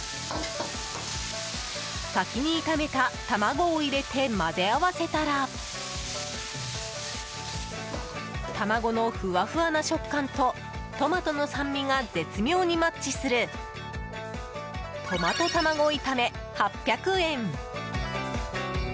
先に炒めた卵を入れて混ぜ合わせたら卵のフワフワな食感とトマトの酸味が絶妙にマッチするトマト玉子炒め、８００円。